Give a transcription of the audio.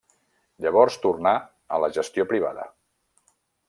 Llavors tornà a la gestió privada.